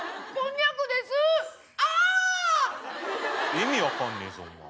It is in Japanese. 意味分かんねえぞお前。